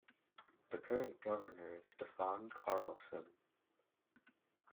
The current Governor is Stefan Carlsson.